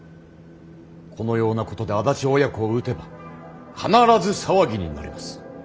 このようなことで安達親子を討てば必ず騒ぎになります。